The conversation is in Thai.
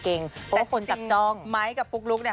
เพราะว่าคนจัดจ้องแต่จริงไมค์กับปุ๊กลุ๊กเนี่ย